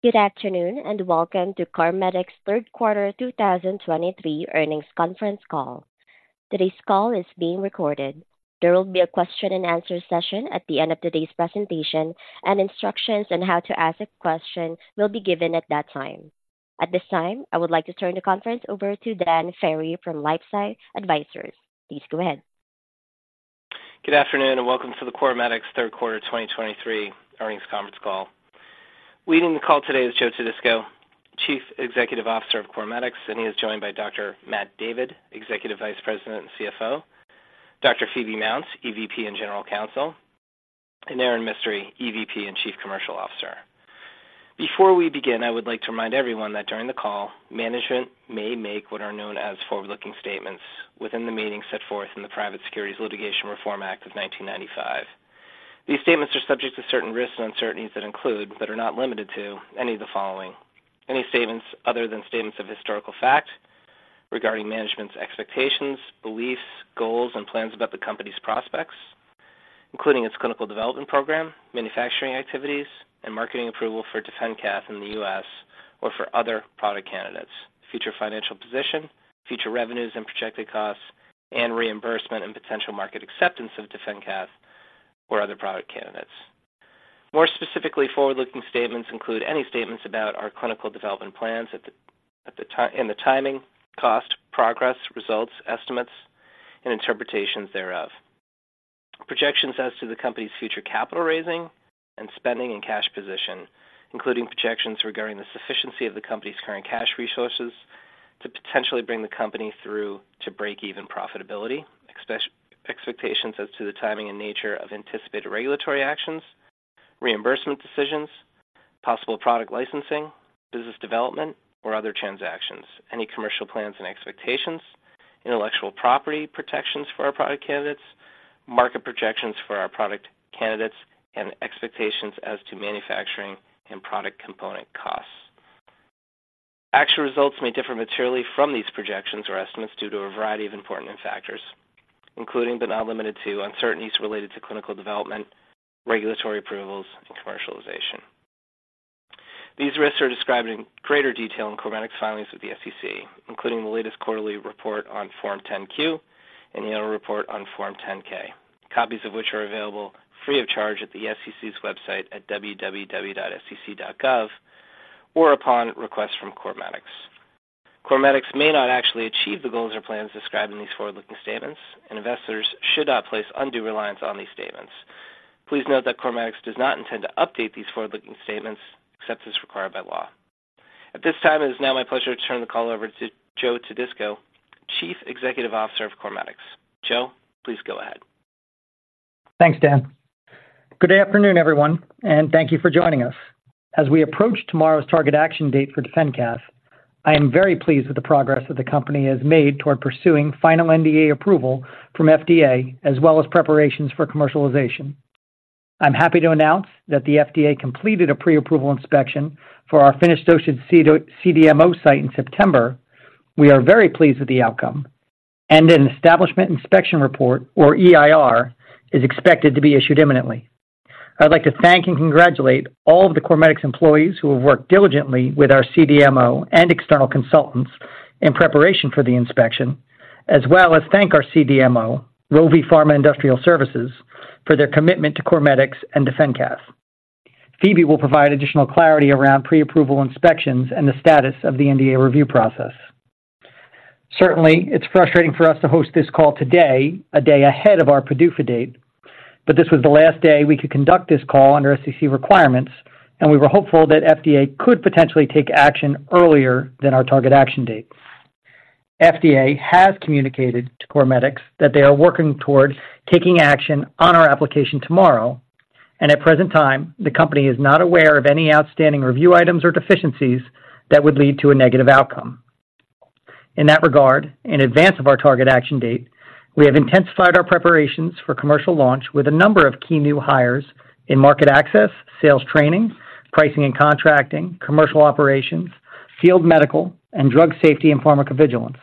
Good afternoon, and welcome to CorMedix third quarter 2023 earnings conference call. Today's call is being recorded. There will be a question and answer session at the end of today's presentation, and instructions on how to ask a question will be given at that time. At this time, I would like to turn the conference over to Dan Ferry from LifeSci Advisors. Please go ahead. Good afternoon, and welcome to the CorMedix third quarter 2023 earnings conference call. Leading the call today is Joe Todisco, Chief Executive Officer of CorMedix, and he is joined by Dr. Matt David, Executive Vice President and CFO, Dr. Phoebe Mounts, EVP and General Counsel, and Erin Mistry, EVP and Chief Commercial Officer. Before we begin, I would like to remind everyone that during the call, management may make what are known as forward-looking statements within the meaning set forth in the Private Securities Litigation Reform Act of 1995. These statements are subject to certain risks and uncertainties that include, but are not limited to, any of the following: Any statements other than statements of historical fact regarding management's expectations, beliefs, goals, and plans about the company's prospects, including its clinical development program, manufacturing activities, and marketing approval for DefenCath in the U.S. or for other product candidates, future financial position, future revenues and projected costs, and reimbursement and potential market acceptance of DefenCath or other product candidates. More specifically, forward-looking statements include any statements about our clinical development plans at the time and the timing, cost, progress, results, estimates, and interpretations thereof. Projections as to the company's future capital raising and spending and cash position, including projections regarding the sufficiency of the company's current cash resources to potentially bring the company through to break-even profitability. Expectations as to the timing and nature of anticipated regulatory actions, reimbursement decisions, possible product licensing, business development or other transactions, any commercial plans and expectations, intellectual property protections for our product candidates, market projections for our product candidates, and expectations as to manufacturing and product component costs. Actual results may differ materially from these projections or estimates due to a variety of important factors, including, but not limited to, uncertainties related to clinical development, regulatory approvals, and commercialization. These risks are described in greater detail in CorMedix filings with the SEC, including the latest quarterly report on Form 10-Q and the annual report on Form 10-K. Copies of which are available free of charge at the SEC's website at www.sec.gov or upon request from CorMedix. CorMedix may not actually achieve the goals or plans described in these forward-looking statements, and investors should not place undue reliance on these statements. Please note that CorMedix does not intend to update these forward-looking statements except as required by law. At this time, it is now my pleasure to turn the call over to Joe Todisco, Chief Executive Officer of CorMedix. Joe, please go ahead. Thanks, Dan. Good afternoon, everyone, and thank you for joining us. As we approach tomorrow's target action date for DefenCath, I am very pleased with the progress that the company has made toward pursuing final NDA approval from FDA, as well as preparations for commercialization. I'm happy to announce that the FDA completed a Pre-Approval Inspection for our finished dosage CDMO site in September. We are very pleased with the outcome, and an Establishment Inspection Report, or EIR, is expected to be issued imminently. I'd like to thank and congratulate all of the CorMedix employees who have worked diligently with our CDMO and external consultants in preparation for the inspection, as well as thank our CDMO, Rovi Pharma Industrial Services, for their commitment to CorMedix and DefenCath. Phoebe will provide additional clarity around Pre-Approval Inspections and the status of the NDA review process. Certainly, it's frustrating for us to host this call today, a day ahead of our PDUFA date, but this was the last day we could conduct this call under SEC requirements, and we were hopeful that FDA could potentially take action earlier than our target action date. FDA has communicated to CorMedix that they are working towards taking action on our application tomorrow, and at present time, the company is not aware of any outstanding review items or deficiencies that would lead to a negative outcome. In that regard, in advance of our target action date, we have intensified our preparations for commercial launch with a number of key new hires in market access, sales training, pricing and contracting, commercial operations, field medical, and drug safety and pharmacovigilance.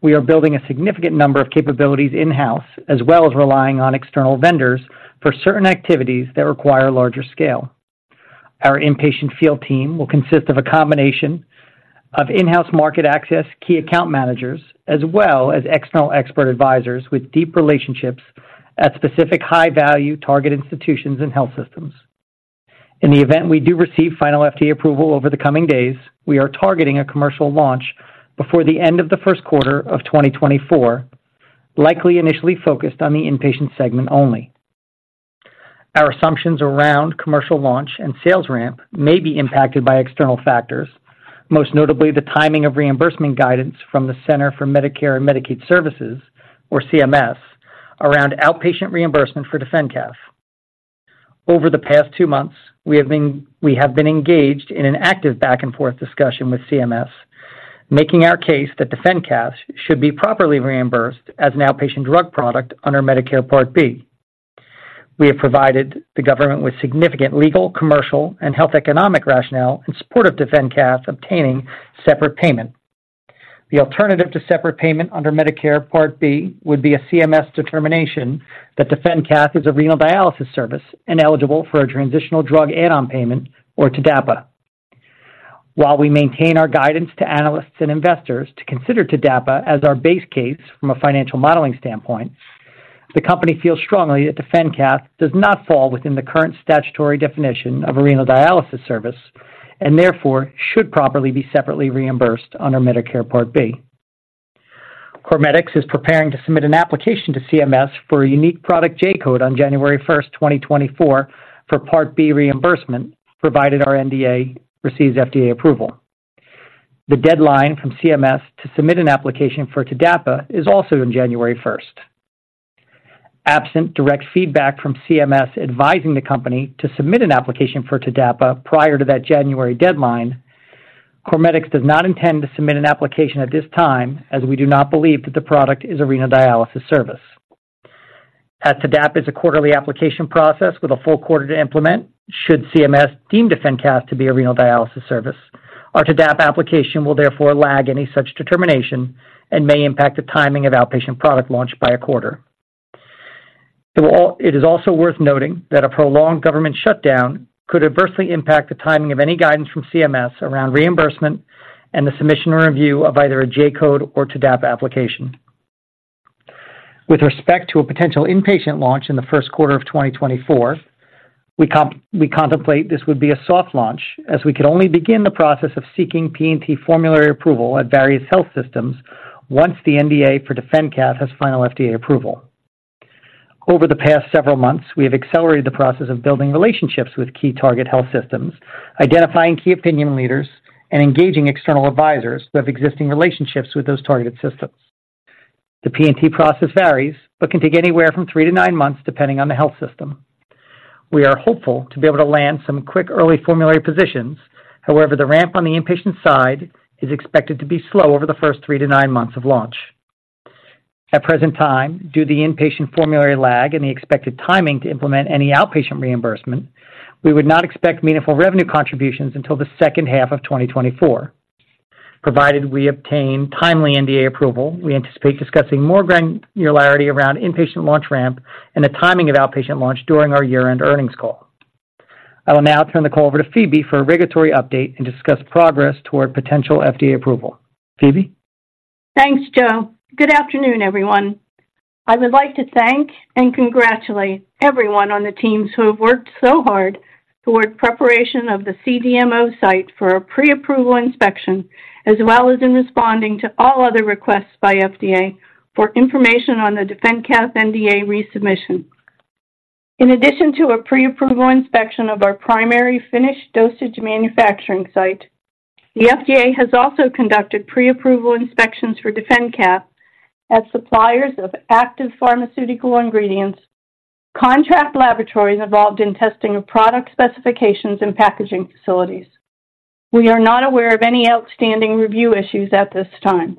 We are building a significant number of capabilities in-house, as well as relying on external vendors for certain activities that require larger scale. Our inpatient field team will consist of a combination of in-house market access, key account managers, as well as external expert advisors with deep relationships at specific high-value target institutions and health systems. In the event we do receive final FDA approval over the coming days, we are targeting a commercial launch before the end of the first quarter of 2024, likely initially focused on the inpatient segment only. Our assumptions around commercial launch and sales ramp may be impacted by external factors, most notably the timing of reimbursement guidance from the Centers for Medicare and Medicaid Services, or CMS, around outpatient reimbursement for DefenCath. Over the past two months, we have been engaged in an active back-and-forth discussion with CMS, making our case that DefenCath should be properly reimbursed as an outpatient drug product under Medicare Part B. We have provided the government with significant legal, commercial, and health economic rationale in support of DefenCath obtaining separate payment... The alternative to separate payment under Medicare Part B would be a CMS determination that DefenCath is a renal dialysis service and eligible for a transitional drug add-on payment or TDAPA. While we maintain our guidance to analysts and investors to consider TDAPA as our base case from a financial modeling standpoint, the company feels strongly that DefenCath does not fall within the current statutory definition of a renal dialysis service and therefore should properly be separately reimbursed under Medicare Part B. CorMedix is preparing to submit an application to CMS for a unique product J-code on January 1st, 2024, for Part B reimbursement, provided our NDA receives FDA approval. The deadline from CMS to submit an application for TDAPA is also on January first. Absent direct feedback from CMS advising the company to submit an application for TDAPA prior to that January deadline, CorMedix does not intend to submit an application at this time, as we do not believe that the product is a renal dialysis service. As TDAPA is a quarterly application process with a full quarter to implement, should CMS deem DefenCath to be a renal dialysis service, our TDAPA application will therefore lag any such determination and may impact the timing of outpatient product launch by a quarter. It is also worth noting that a prolonged government shutdown could adversely impact the timing of any guidance from CMS around reimbursement and the submission or review of either a J-code or TDAPA application. With respect to a potential inpatient launch in the first quarter of 2024, we contemplate this would be a soft launch, as we can only begin the process of seeking P&T formulary approval at various health systems once the NDA for DefenCath has final FDA approval. Over the past several months, we have accelerated the process of building relationships with key target health systems, identifying key opinion leaders, and engaging external advisors who have existing relationships with those targeted systems. The P&T process varies, but can take anywhere from three to nine months, depending on the health system. We are hopeful to be able to land some quick early formulary positions. However, the ramp on the inpatient side is expected to be slow over the first 3-9 months of launch. At present time, due to the inpatient formulary lag and the expected timing to implement any outpatient reimbursement, we would not expect meaningful revenue contributions until the second half of 2024. Provided we obtain timely NDA approval, we anticipate discussing more granularity around inpatient launch ramp and the timing of outpatient launch during our year-end earnings call. I will now turn the call over to Phoebe for a regulatory update and discuss progress toward potential FDA approval. Phoebe? Thanks, Joe. Good afternoon, everyone. I would like to thank and congratulate everyone on the teams who have worked so hard toward preparation of the CDMO site for a Pre-Approval Inspection, as well as in responding to all other requests by FDA for information on the DefenCath NDA resubmission. In addition to a Pre-Approval Inspection of our primary finished dosage manufacturing site, the FDA has also conducted Pre-Approval Inspections for DefenCath as suppliers of active pharmaceutical ingredients, contract laboratories involved in testing of product specifications and packaging facilities. We are not aware of any outstanding review issues at this time.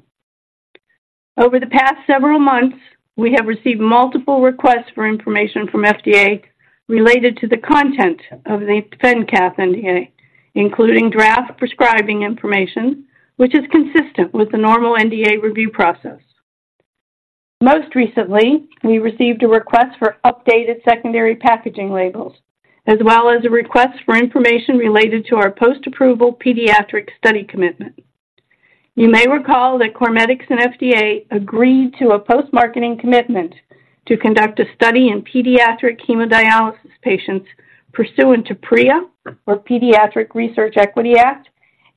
Over the past several months, we have received multiple requests for information from FDA related to the content of the DefenCath NDA, including draft prescribing information, which is consistent with the normal NDA review process. Most recently, we received a request for updated secondary packaging labels, as well as a request for information related to our post-approval pediatric study commitment. You may recall that CorMedix and FDA agreed to a post-marketing commitment to conduct a study in pediatric hemodialysis patients pursuant to PREA or Pediatric Research Equity Act,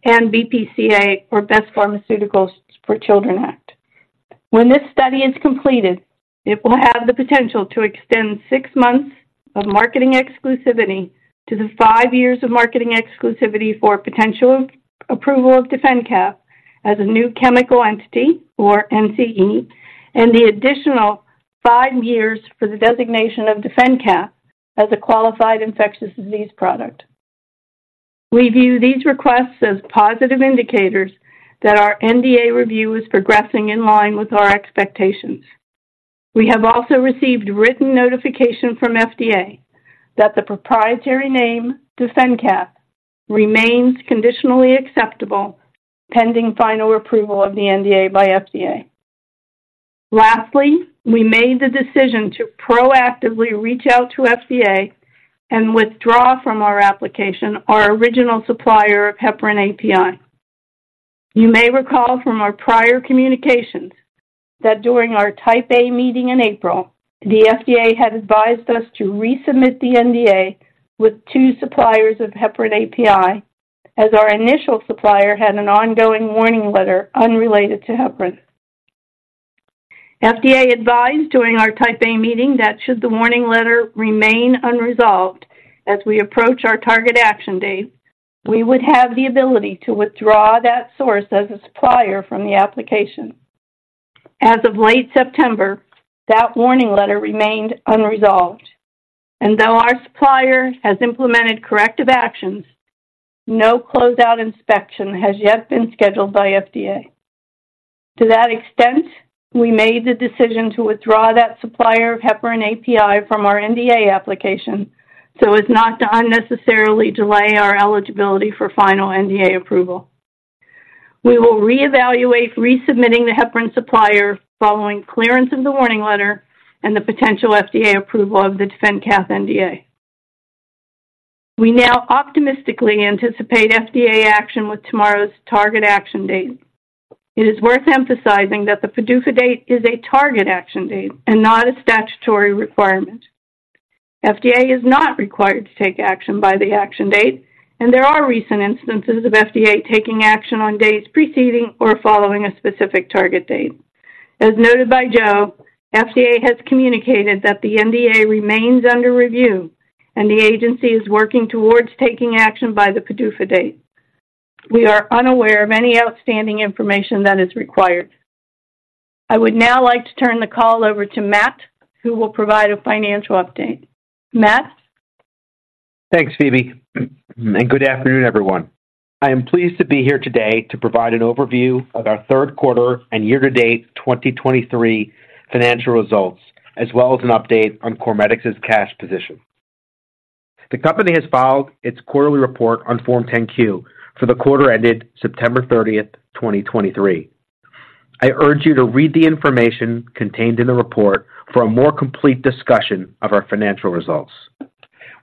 and BPCA, or Best Pharmaceuticals for Children Act. When this study is completed, it will have the potential to extend six months of marketing exclusivity to the five years of marketing exclusivity for potential approval of DefenCath as a new chemical entity, or NCE, and the additional five years for the designation of DefenCath as a qualified infectious disease product. We view these requests as positive indicators that our NDA review is progressing in line with our expectations. We have also received written notification from FDA that the proprietary name, DefenCath, remains conditionally acceptable, pending final approval of the NDA by FDA. Lastly, we made the decision to proactively reach out to FDA and withdraw from our application our original supplier of heparin API. You may recall from our prior communications that during our Type A meeting in April, the FDA had advised us to resubmit the NDA with two suppliers of heparin API, as our initial supplier had an ongoing warning letter unrelated to heparin. FDA advised during our Type A meeting that should the warning letter remain unresolved as we approach our target action date, we would have the ability to withdraw that source as a supplier from the application. As of late September, that warning letter remained unresolved, and though our supplier has implemented corrective actions, no closeout inspection has yet been scheduled by FDA. To that extent, we made the decision to withdraw that supplier of heparin API from our NDA application, so as not to unnecessarily delay our eligibility for final NDA approval. We will re-evaluate resubmitting the heparin supplier following clearance of the warning letter and the potential FDA approval of the DefenCath NDA. We now optimistically anticipate FDA action with tomorrow's target action date. It is worth emphasizing that the PDUFA date is a target action date and not a statutory requirement. FDA is not required to take action by the action date, and there are recent instances of FDA taking action on dates preceding or following a specific target date. As noted by Joe, FDA has communicated that the NDA remains under review and the agency is working towards taking action by the PDUFA date. We are unaware of any outstanding information that is required. I would now like to turn the call over to Matt, who will provide a financial update. Matt? Thanks, Phoebe, and good afternoon, everyone. I am pleased to be here today to provide an overview of our third quarter and year-to-date 2023 financial results, as well as an update on CorMedix's cash position. The company has filed its quarterly report on Form 10-Q for the quarter ended September 30, 2023. I urge you to read the information contained in the report for a more complete discussion of our financial results.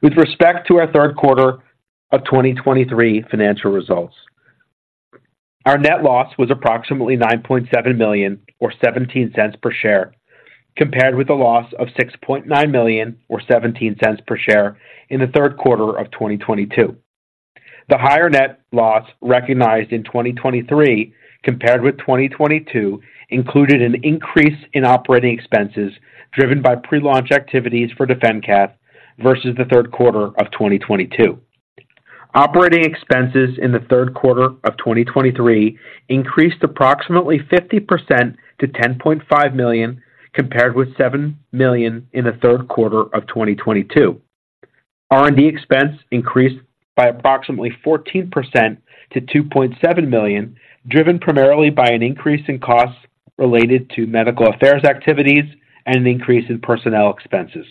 With respect to our third quarter of 2023 financial results, our net loss was approximately $9.7 million, or $0.17 per share, compared with a loss of $6.9 million, or $0.17 per share, in the third quarter of 2022. The higher net loss recognized in 2023 compared with 2022 included an increase in operating expenses driven by pre-launch activities for DefenCath versus the third quarter of 2022. Operating expenses in the third quarter of 2023 increased approximately 50% to $10.5 million, compared with $7 million in the third quarter of 2022. R&D expense increased by approximately 14% to $2.7 million, driven primarily by an increase in costs related to medical affairs activities and an increase in personnel expenses.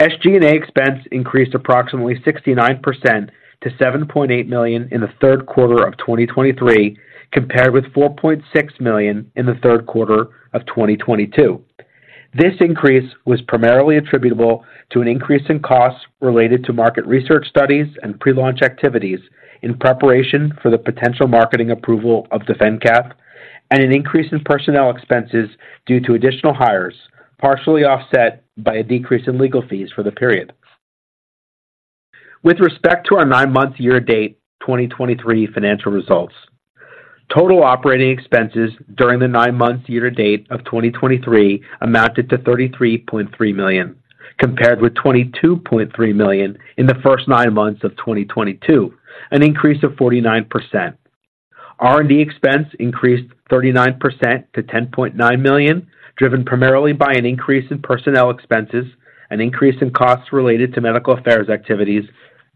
SG&A expense increased approximately 69% to $7.8 million in the third quarter of 2023, compared with $4.6 million in the third quarter of 2022. This increase was primarily attributable to an increase in costs related to market research studies and pre-launch activities in preparation for the potential marketing approval of DefenCath and an increase in personnel expenses due to additional hires, partially offset by a decrease in legal fees for the period. With respect to our nine-month year-to-date 2023 financial results, total operating expenses during the nine months year-to-date of 2023 amounted to $33.3 million, compared with $22.3 million in the first nine months of 2022, an increase of 49%. R&D expense increased 39% to $10.9 million, driven primarily by an increase in personnel expenses, an increase in costs related to medical affairs activities,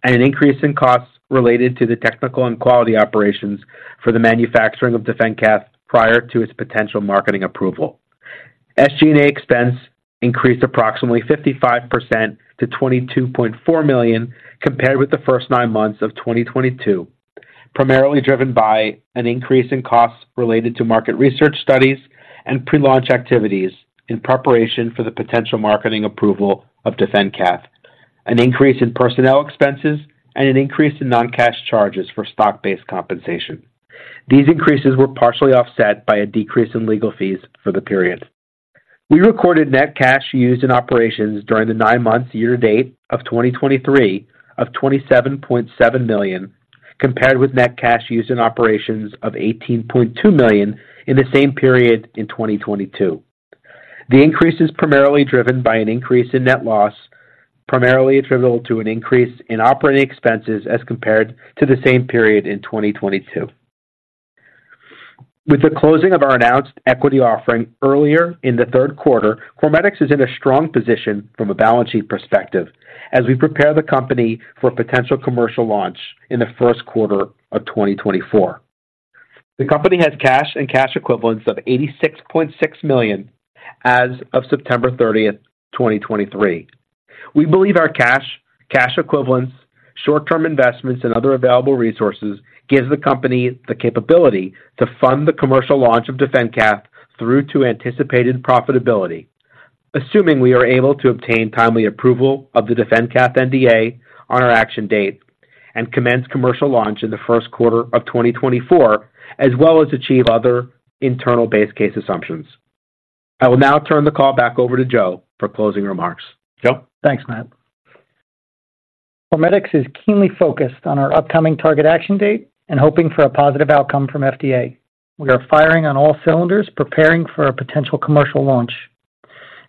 and an increase in costs related to the technical and quality operations for the manufacturing of DefenCath prior to its potential marketing approval. SG&A expense increased approximately 55% to $22.4 million compared with the first nine months of 2022, primarily driven by an increase in costs related to market research studies and pre-launch activities in preparation for the potential marketing approval of DefenCath, an increase in personnel expenses, and an increase in non-cash charges for stock-based compensation. These increases were partially offset by a decrease in legal fees for the period. We recorded net cash used in operations during the nine months year-to-date of 2023 of $27.7 million, compared with net cash used in operations of $18.2 million in the same period in 2022. The increase is primarily driven by an increase in net loss, primarily attributable to an increase in operating expenses as compared to the same period in 2022. With the closing of our announced equity offering earlier in the third quarter, CorMedix is in a strong position from a balance sheet perspective as we prepare the company for a potential commercial launch in the first quarter of 2024. The company has cash and cash equivalents of $86.6 million as of September 30, 2023. We believe our cash, cash equivalents, short-term investments, and other available resources gives the company the capability to fund the commercial launch of DefenCath through to anticipated profitability, assuming we are able to obtain timely approval of the DefenCath NDA on our action date and commence commercial launch in the first quarter of 2024, as well as achieve other internal base case assumptions. I will now turn the call back over to Joe for closing remarks. Joe? Thanks, Matt. CorMedix is keenly focused on our upcoming target action date and hoping for a positive outcome from FDA. We are firing on all cylinders, preparing for a potential commercial launch.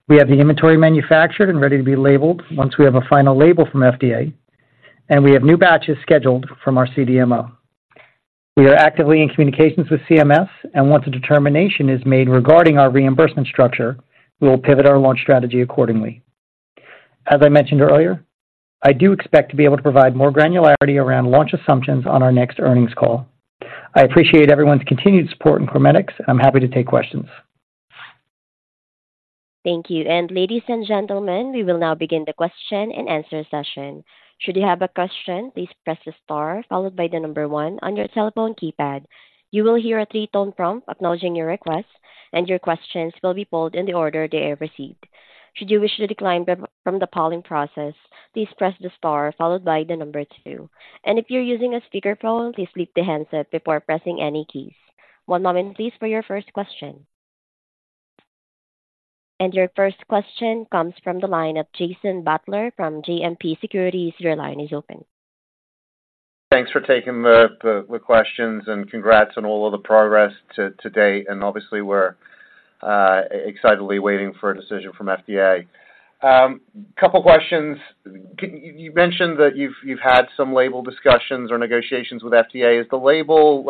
We have the inventory manufactured and ready to be labeled once we have a final label from FDA, and we have new batches scheduled from our CDMO. We are actively in communications with CMS, and once a determination is made regarding our reimbursement structure, we will pivot our launch strategy accordingly. As I mentioned earlier, I do expect to be able to provide more granularity around launch assumptions on our next earnings call. I appreciate everyone's continued support in CorMedix. I'm happy to take questions. Thank you. Ladies and gentlemen, we will now begin the question and answer session. Should you have a question, please press the star followed by the number one on your telephone keypad. You will hear a three-tone prompt acknowledging your request, and your questions will be polled in the order they are received. Should you wish to decline from the polling process, please press the star followed by the number two. If you're using a speakerphone, please leave the handset before pressing any keys. One moment, please, for your first question. Your first question comes from the line of Jason Butler from JMP Securities. Your line is open. Thanks for taking the questions, and congrats on all of the progress to date, and obviously, we're excitedly waiting for a decision from FDA. Couple questions: you mentioned that you've had some label discussions or negotiations with FDA. Is the label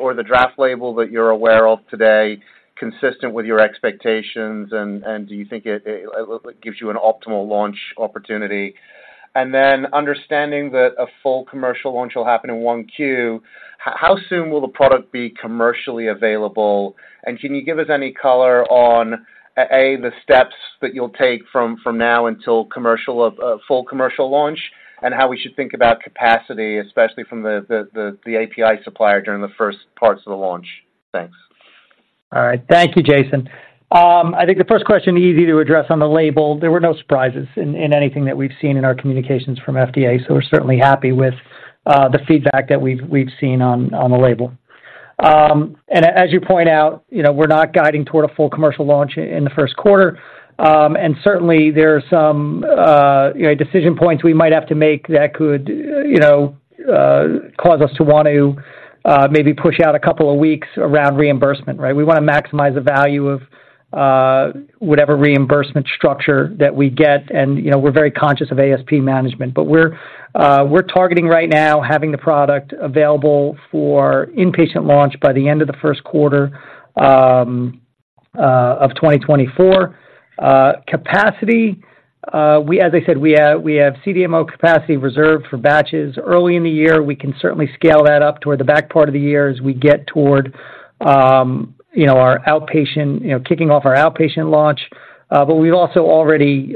or the draft label that you're aware of today consistent with your expectations, and do you think it gives you an optimal launch opportunity? And then understanding that a full commercial launch will happen in 1Q, how soon will the product be commercially available? And can you give us any color on the steps that you'll take from now until full commercial launch, and how we should think about capacity, especially from the API supplier during the first parts of the launch? Thanks. All right. Thank you, Jason. I think the first question, easy to address on the label. There were no surprises in, in anything that we've seen in our communications from FDA, so we're certainly happy with, the feedback that we've, we've seen on, on the label. And as you point out, you know, we're not guiding toward a full commercial launch in the first quarter. And certainly there are some, you know, decision points we might have to make that could, you know, cause us to want to, maybe push out a couple of weeks around reimbursement, right? We wanna maximize the value of, whatever reimbursement structure that we get, and, you know, we're very conscious of ASP management. But we're targeting right now having the product available for inpatient launch by the end of the first quarter of 2024. Capacity, as I said, we have CDMO capacity reserved for batches early in the year. We can certainly scale that up toward the back part of the year as we get toward, you know, our outpatient, you know, kicking off our outpatient launch. But we've also already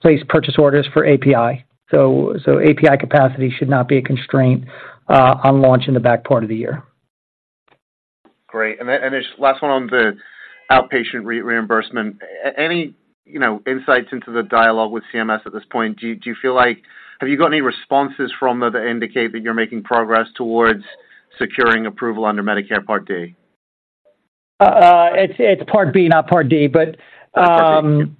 placed purchase orders for API, so API capacity should not be a constraint on launch in the back part of the year. Great. And then, just last one on the outpatient reimbursement. Any, you know, insights into the dialogue with CMS at this point? Do you feel like... Have you got any responses from them that indicate that you're making progress towards securing approval under Medicare Part D? It's Part B, not Part D. But, Part B.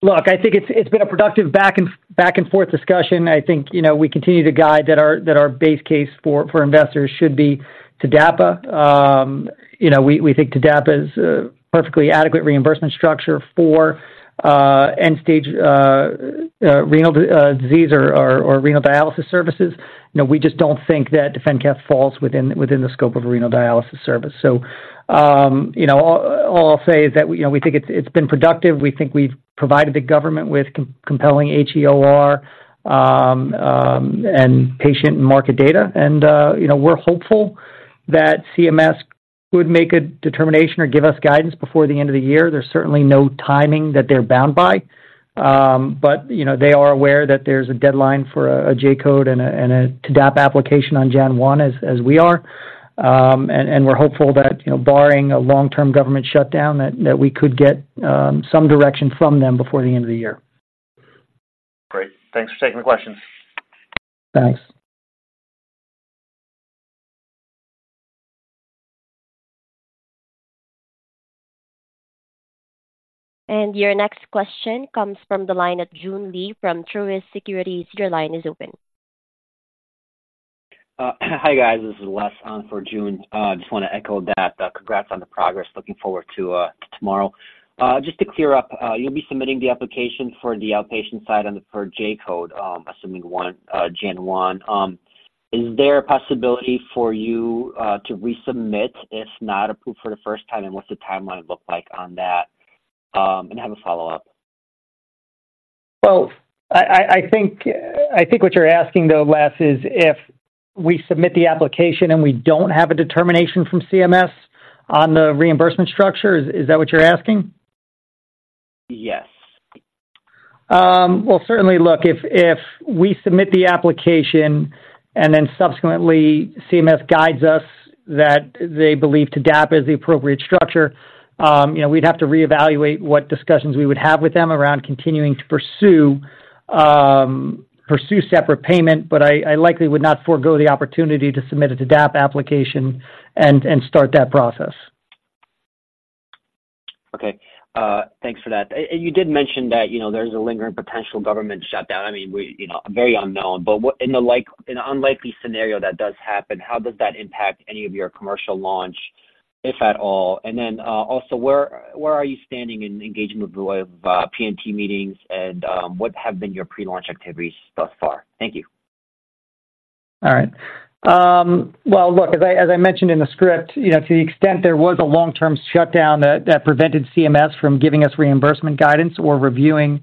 Look, I think it's been a productive back-and-forth discussion. I think, you know, we continue to guide that our base case for investors should be TDAPA. You know, we think TDAPA is a perfectly adequate reimbursement structure for end stage renal disease or renal dialysis services. You know, we just don't think that DefenCath falls within the scope of a renal dialysis service. So, you know, all I'll say is that, you know, we think it's been productive. We think we've provided the government with compelling HEOR and patient and market data. And, you know, we're hopeful that CMS would make a determination or give us guidance before the end of the year. There's certainly no timing that they're bound by, but, you know, they are aware that there's a deadline for a J-code and a TDAPA application on January 1, as we are. And we're hopeful that, you know, barring a long-term government shutdown, that we could get some direction from them before the end of the year. Great. Thanks for taking the question. Thanks. Your next question comes from the line of Joon Lee from Truist Securities. Your line is open. Hi, guys. This is Les on for Joon. Just wanna echo that, congrats on the progress. Looking forward to tomorrow. Just to clear up, you'll be submitting the application for the outpatient side on the for J-code, assuming one, January 1. Is there a possibility for you to resubmit if not approved for the first time, and what's the timeline look like on that? And I have a follow-up. Well, I think what you're asking, though, Les, is if we submit the application and we don't have a determination from CMS on the reimbursement structure. Is that what you're asking? Yes. Well, certainly, look, if we submit the application and then subsequently CMS guides us that they believe TDAPA is the appropriate structure, you know, we'd have to reevaluate what discussions we would have with them around continuing to pursue separate payment, but I likely would not forgo the opportunity to submit a TDAPA application and start that process. Okay. Thanks for that. And you did mention that, you know, there's a lingering potential government shutdown. I mean, you know, very unknown, but what in, like, in an unlikely scenario that does happen, how does that impact any of your commercial launch, if at all? And then, also, where are you standing in engaging with P&T meetings, and what have been your pre-launch activities thus far? Thank you. All right. Well, look, as I mentioned in the script, you know, to the extent there was a long-term shutdown that prevented CMS from giving us reimbursement guidance or reviewing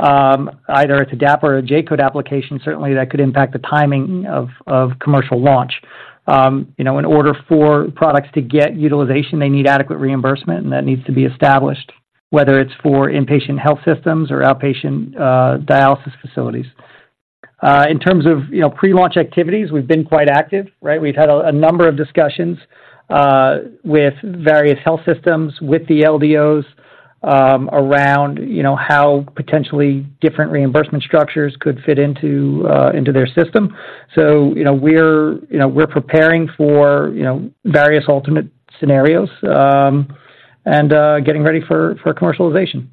either a TDAPA or a J-code application, certainly that could impact the timing of commercial launch. You know, in order for products to get utilization, they need adequate reimbursement, and that needs to be established, whether it's for inpatient health systems or outpatient dialysis facilities. In terms of, you know, pre-launch activities, we've been quite active, right? We've had a number of discussions with various health systems, with the LDOs, around, you know, how potentially different reimbursement structures could fit into their system. So, you know, we're preparing for various ultimate scenarios, and getting ready for commercialization.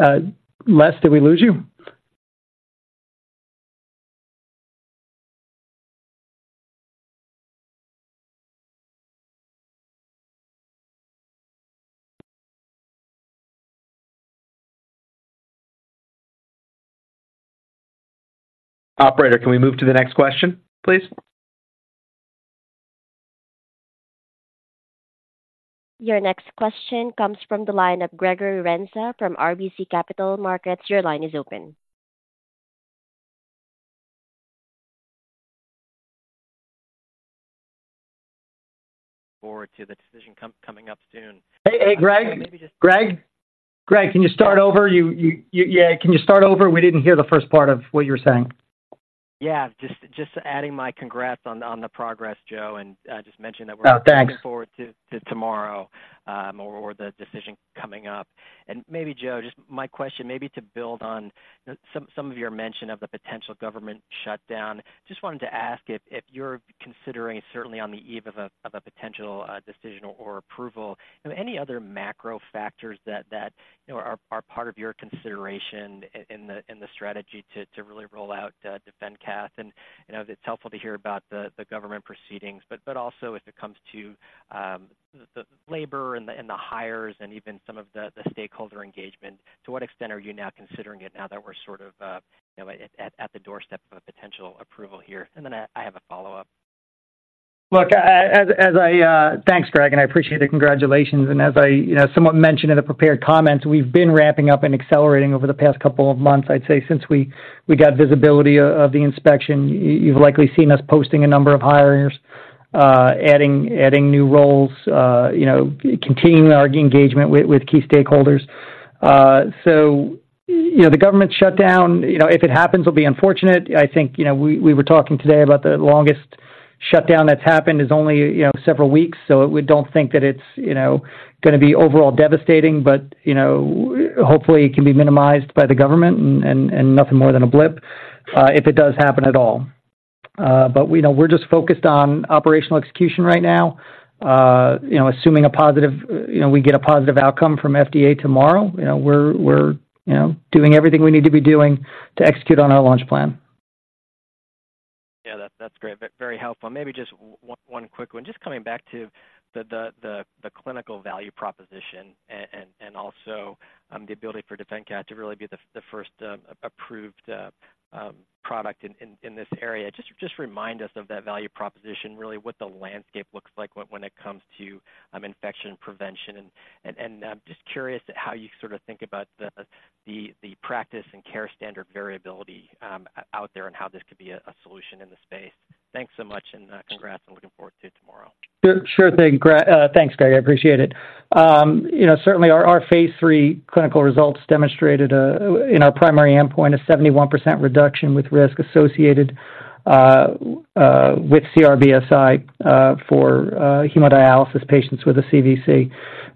Les, did we lose you? Operator, can we move to the next question, please? Your next question comes from the line of Gregory Renza from RBC Capital Markets. Your line is open. Looking forward to the decision coming up soon. Hey, Greg. Greg? Can you start over? Yeah, can you start over? We didn't hear the first part of what you were saying. Yeah, just adding my congrats on the progress, Joe, and just mention that we're- Oh, thanks. Looking forward to tomorrow or the decision coming up. And maybe Joe, just my question, maybe to build on some of your mention of the potential government shutdown. Just wanted to ask if you're considering, certainly on the eve of a potential decision or approval, any other macro factors that you know are part of your consideration in the strategy to really roll out DefenCath? And, you know, it's helpful to hear about the government proceedings, but also as it comes to the labor and the hires and even some of the stakeholder engagement. To what extent are you now considering it now that we're sort of you know at the doorstep of a potential approval here? And then I have a follow-up. Look, as I... Thanks, Greg, and I appreciate it. Congratulations. And as I, you know, somewhat mentioned in the prepared comments, we've been wrapping up and accelerating over the past couple of months, I'd say, since we got visibility of the inspection. You've likely seen us posting a number of hirings, adding new roles, you know, continuing our engagement with key stakeholders. So, you know, the government shutdown, you know, if it happens, will be unfortunate. I think, you know, we were talking today about the longest shutdown that's happened is only, you know, several weeks, so we don't think that it's, you know, gonna be overall devastating. But, you know, hopefully, it can be minimized by the government and nothing more than a blip, if it does happen at all. But we know, we're just focused on operational execution right now. You know, assuming a positive, you know, we get a positive outcome from FDA tomorrow, you know, we're you know, doing everything we need to be doing to execute on our launch plan. Yeah, that's great. Very helpful. Maybe just one quick one. Just coming back to the clinical value proposition and also the ability for DefenCath to really be the first approved product in this area. Just remind us of that value proposition, really what the landscape looks like when it comes to infection prevention. And I'm just curious at how you sort of think about the practice and care standard variability out there and how this could be a solution in the space. Thanks so much, and congrats, and looking forward to tomorrow. Sure thing, Greg. Thanks, Greg. I appreciate it. You know, certainly our phase III clinical results demonstrated, in our primary endpoint, a 71% reduction with risk associated with CRBSI for hemodialysis patients with a CVC.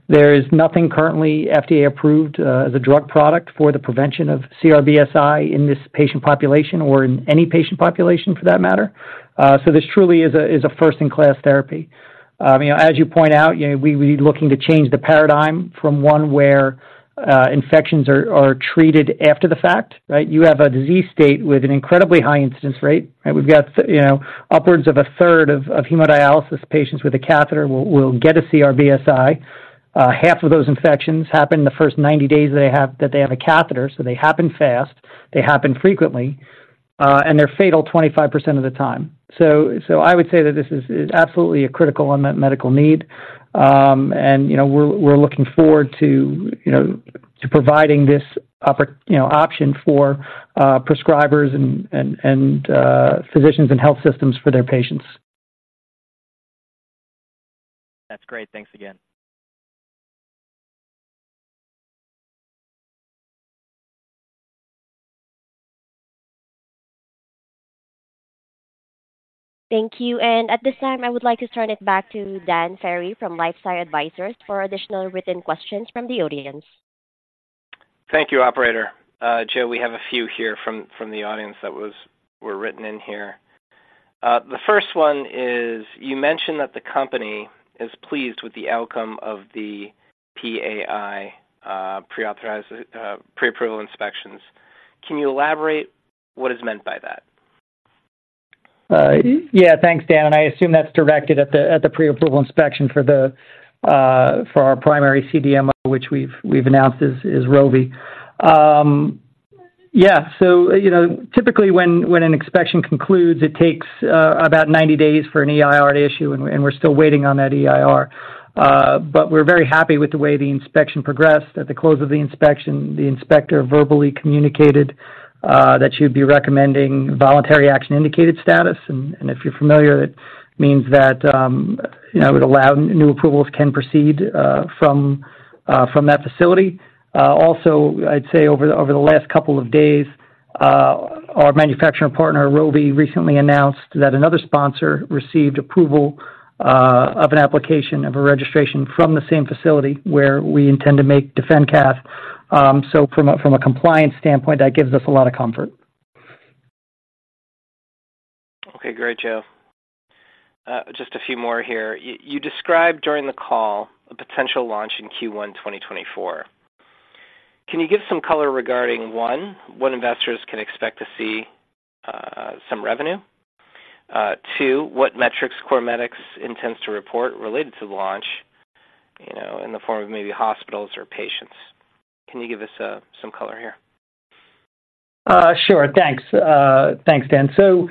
There is nothing currently FDA approved as a drug product for the prevention of CRBSI in this patient population or in any patient population, for that matter. So this truly is a first-in-class therapy. You know, as you point out, you know, we're really looking to change the paradigm from one where infections are treated after the fact, right? You have a disease state with an incredibly high incidence rate, right? We've got, you know, upwards of a third of hemodialysis patients with a catheter will get a CRBSI. Half of those infections happen in the first 90 days they have a catheter, so they happen fast, they happen frequently, and they're fatal 25% of the time. So I would say that this is absolutely a critical unmet medical need. And, you know, we're looking forward to, you know, to providing this option for prescribers and physicians and health systems for their patients. That's great. Thanks again. Thank you. At this time, I would like to turn it back to Dan Ferry from LifeSci Advisors for additional written questions from the audience. Thank you, operator. Joe, we have a few here from the audience that were written in here. The first one is: You mentioned that the company is pleased with the outcome of the PAI, Pre-Approval Inspections. Can you elaborate what is meant by that? ... Yeah, thanks, Dan. And I assume that's directed at the Pre-Approval Inspection for our primary CDMO, which we've announced is Rovi. Yeah, so, you know, typically, when an inspection concludes, it takes about 90 days for an EIR to issue, and we're still waiting on that EIR. But we're very happy with the way the inspection progressed. At the close of the inspection, the inspector verbally communicated that she'd be recommending voluntary action indicated status. And if you're familiar, it means that, you know, it would allow new approvals can proceed from that facility. Also, I'd say over the last couple of days, our manufacturing partner, Rovi, recently announced that another sponsor received approval of an application of a registration from the same facility where we intend to make DefenCath. So from a compliance standpoint, that gives us a lot of comfort. Okay, great, Joe. Just a few more here. You described during the call a potential launch in Q1 2024. Can you give some color regarding, one, what investors can expect to see, some revenue? Two, what metrics CorMedix intends to report related to the launch, you know, in the form of maybe hospitals or patients. Can you give us some color here? Sure. Thanks. Thanks, Dan. So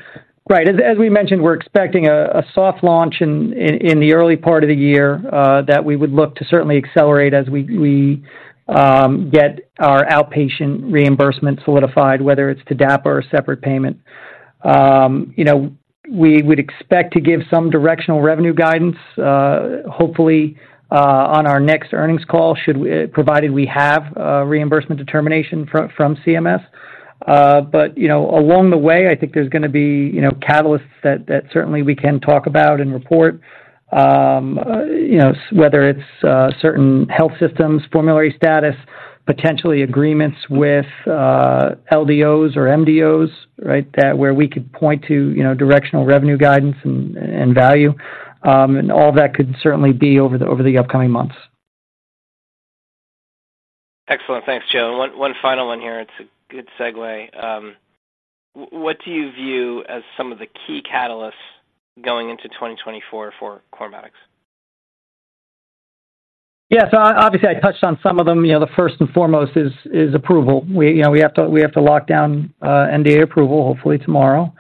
right, as we mentioned, we're expecting a soft launch in the early part of the year, that we would look to certainly accelerate as we get our outpatient reimbursement solidified, whether it's to DAP or a separate payment. You know, we would expect to give some directional revenue guidance, hopefully on our next earnings call, should we, provided we have a reimbursement determination from CMS. But you know, along the way, I think there's gonna be you know, catalysts that certainly we can talk about and report. You know, whether it's certain health systems, formulary status, potentially agreements with LDOs or MDOs, right? That where we could point to you know, directional revenue guidance and value. All that could certainly be over the upcoming months. Excellent. Thanks, Joe. One final one here. It's a good segue. What do you view as some of the key catalysts going into 2024 for CorMedix? Yeah, so obviously, I touched on some of them. You know, the first and foremost is approval. We, you know, we have to lock down NDA approval, hopefully tomorrow.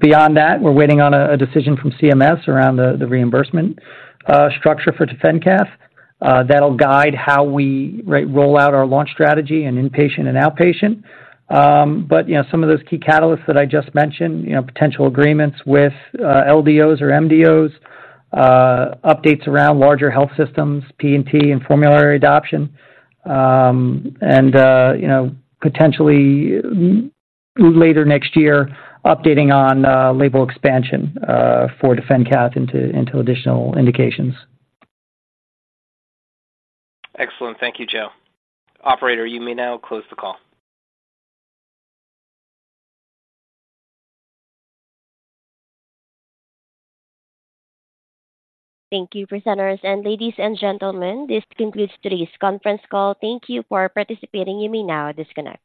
Beyond that, we're waiting on a decision from CMS around the reimbursement structure for DefenCath. That'll guide how we roll out our launch strategy in inpatient and outpatient. But, you know, some of those key catalysts that I just mentioned, you know, potential agreements with LDOs or MDOs, updates around larger health systems, P&T and formulary adoption. And, you know, potentially later next year, updating on label expansion for DefenCath into additional indications. Excellent. Thank you, Joe. Operator, you may now close the call. Thank you, presenters. Ladies and gentlemen, this concludes today's conference call. Thank you for participating. You may now disconnect.